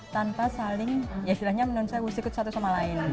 tanpa saling menunjukkan satu sama lain